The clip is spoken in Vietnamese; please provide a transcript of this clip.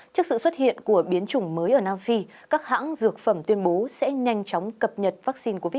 trước sự xuất hiện của biến chủng mới ở nam phi các hãng dược phẩm tuyên bố sẽ nhanh chóng cập nhật vaccine covid một mươi chín